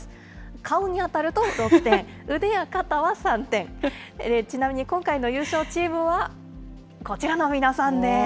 顔に当たると６点、腕や肩は３点、ちなみに今回の優勝チームは、こちらの皆さんです。